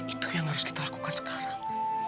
itu yang harus kita lakukan sekarang